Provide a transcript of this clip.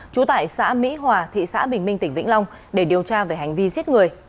trú tại xã mỹ hòa thị xã bình minh tỉnh vĩnh long để điều tra về hành vi giết người